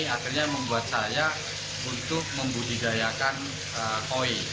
akhirnya membuat saya untuk membudidayakan koi